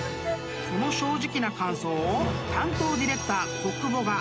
［この正直な感想を担当ディレクター小久保が］